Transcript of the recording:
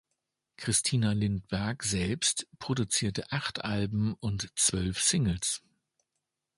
Christina Lindberg selbst produzierte acht Alben und zwölf Singles.